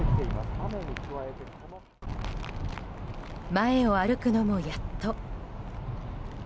前を歩くのも、やっと。